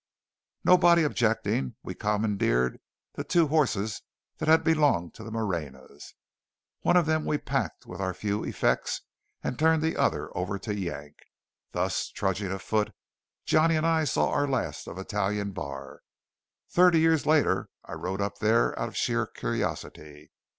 Nobody objecting, we commandeered the two horses that had belonged to the Moreñas. One of them we packed with our few effects, and turned the other over to Yank. Thus, trudging afoot, Johnny and I saw our last of Italian Bar. Thirty years later I rode up there out of sheer curiosity.